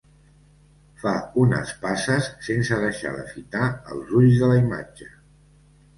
Fa unes passes sense deixar de fitar els ulls de la imatge.